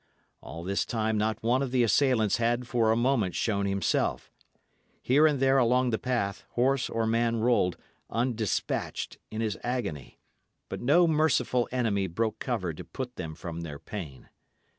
All this time not one of the assailants had for a moment shown himself. Here and there along the path, horse or man rolled, undespatched, in his agony; but no merciful enemy broke cover to put them from their pain.